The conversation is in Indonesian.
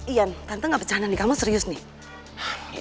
ian tante gak pecahan nih kamu serius nih